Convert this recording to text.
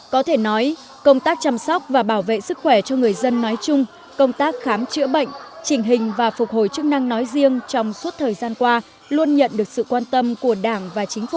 có thể nói công tác chăm sóc và bảo vệ sức khỏe cho người dân nói chung công tác khám chữa bệnh chỉnh hình và phục hồi chức năng nói riêng trong suốt thời gian qua luôn nhận được sự quan tâm của đảng và chính phủ